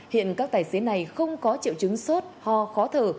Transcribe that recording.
hiện các tài xế này không có triệu chứng sốt ho khó thở